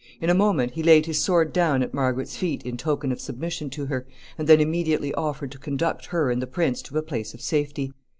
In a moment he laid his sword down at Margaret's feet in token of submission to her, and then immediately offered to conduct her and the prince to a place of safety.